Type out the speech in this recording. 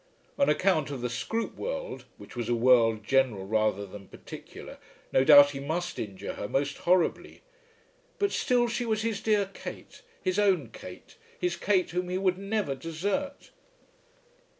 On account of the Scroope world, which was a world general rather than particular, no doubt he must injure her most horribly. But still she was his dear Kate, his own Kate, his Kate whom he would never desert.